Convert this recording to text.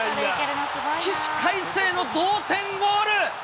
起死回生の同点ゴール。